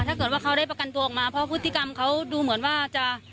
ถ้าเกิดว่าเขาได้ประกันตัวออกมาเพราะพฤติกรรมเขาดูเหมือนว่าจะ